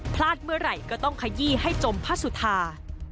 พลาดเมื่อไหร่ก็ต้องขยี้ให้จมพระสุธา